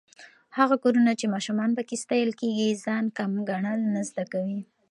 هغه کورونه چې ماشومان پکې ستايل کېږي، ځان کم ګڼل نه زده کوي.